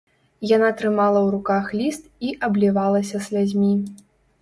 Яна трымала ў руках ліст і аблівалася слязьмі.